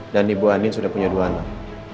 dan ibu andin sudah punya dua anak